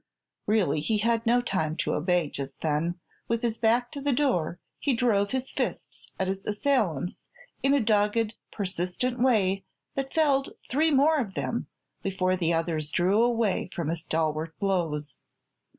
Really, he had no time to obey, just then. With his back to the door he drove his fists at his assailants in a dogged, persistent way that felled three more of them before the others drew away from his stalwart bows.